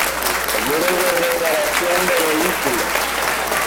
Talleres de reparación de vehículos.